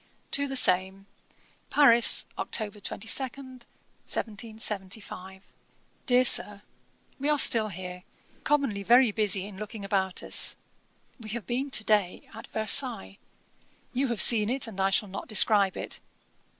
To THE SAME. 'Paris, Oct. 22, 1775. 'DEAR SIR, 'We are still here, commonly very busy in looking about us. We have been to day at Versailles. You have seen it, and I shall not describe it.